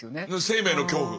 生命の恐怖。